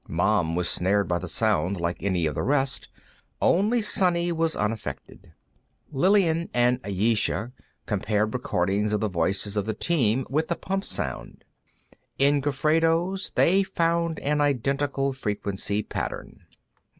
Mom was snared by the sound like any of the rest; only Sonny was unaffected. Lillian and Ayesha compared recordings of the voices of the team with the pump sound; in Gofredo's they found an identical frequency pattern.